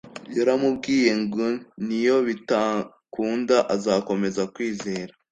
yaramubwiye ng niyo bitakunda azakomeze kwizera